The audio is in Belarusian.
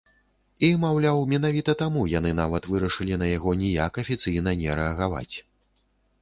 І, маўляў, менавіта таму яны нават вырашылі на яго ніяк афіцыйна не рэагаваць.